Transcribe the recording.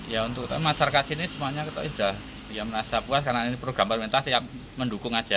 ya untuk masyarakat sini semuanya kita sudah ya merasa puas karena ini program parmentas yang mendukung aja